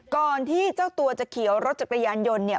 ก่อนที่เจ้าตัวเจ้าเขียวรถจักรยานยนต์